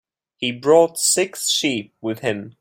He brought six sheep with him.